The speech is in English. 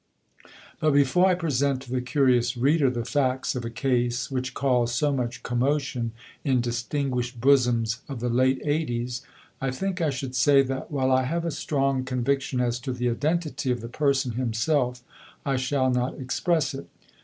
But before I present to the curious reader the facts of a case which caused so much commotion in distinguished bosoms of the late "eighties," I think I should say that, while I have a strong conviction as to the identity of the person himself, I shall not express it.